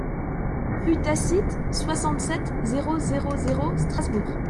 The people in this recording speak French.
Rue Tacite, soixante-sept, zéro zéro zéro Strasbourg